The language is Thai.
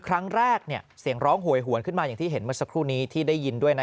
ครั้งแรกเสียงร้องโหยหวนขึ้นมาอย่างที่เห็นเมื่อสักครู่นี้ที่ได้ยินด้วยนะ